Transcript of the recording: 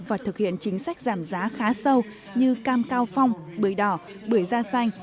và thực hiện chính sách giảm giá khá sâu như cam cao phong bưởi đỏ bưởi da xanh